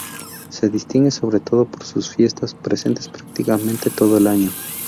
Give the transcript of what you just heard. Se distingue sobre todo por sus fiestas; presentes prácticamente todo el año.